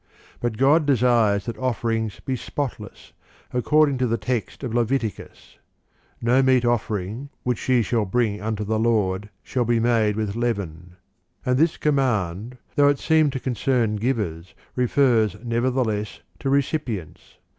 But God desires that offerings be spotless, ac cording to the text of Leviticus :" No meat offering, which ye shall bring unto the Lord, shall be made with leaven;"' and this command, though it seem to concern givers, refers never theless to recipients.